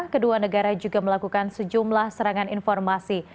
kedua negara juga melakukan sejumlah serangan informasi